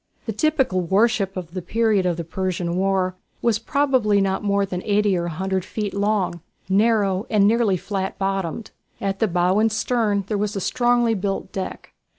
The typical warship of the period of the Persian War was probably not more than eighty or a hundred feet long, narrow, and nearly flat bottomed. At the bow and stern there was a strongly built deck.